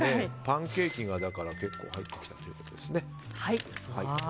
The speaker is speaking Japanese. パンケーキが結構入ってきてるということですね。